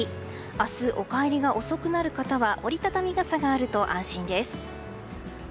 明日、お帰りが遅くなる方は折り畳み傘があると安心です。